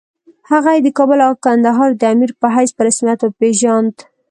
هغه یې د کابل او کندهار د امیر په حیث په رسمیت وپېژاند.